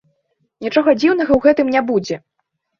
Нічога дзіўнага ў гэтым не будзе.